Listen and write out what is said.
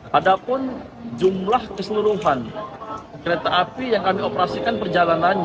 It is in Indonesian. padahal jumlah keseluruhan kereta api yang kami operasikan perjalanannya